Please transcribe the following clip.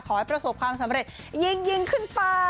ขอให้ประสบความสำเร็จยิ่งขึ้นไป